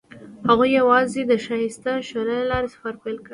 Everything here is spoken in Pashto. هغوی یوځای د ښایسته شعله له لارې سفر پیل کړ.